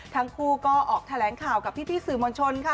ทั้งคู่ก็ออกแถลงข่าวกับพี่สื่อมวลชนค่ะ